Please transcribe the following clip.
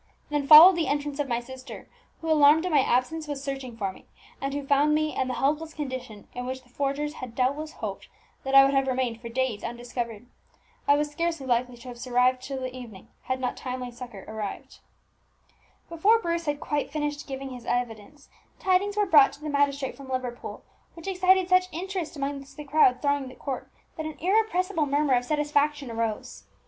Then followed the entrance of my sister, who, alarmed at my absence, was searching for me, and who found me in the helpless condition in which the forgers had doubtless hoped that I would have remained for days undiscovered. I was scarcely likely to have survived till the evening, had not timely succour arrived." Before Bruce had quite finished giving his evidence, tidings were brought to the magistrate from Liverpool, which excited such interest amongst the crowd thronging the court that an irrepressible murmur of satisfaction arose.